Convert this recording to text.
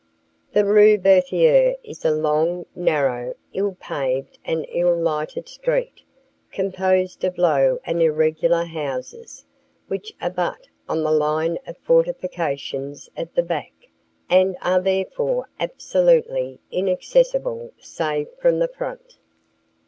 The Rue Berthier is a long, narrow, ill paved and ill lighted street, composed of low and irregular houses, which abut on the line of fortifications at the back, and are therefore absolutely inaccessible save from the front.